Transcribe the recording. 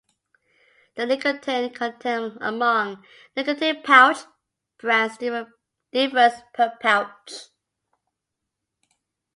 The nicotine content among nicotine pouch brands differs per pouch.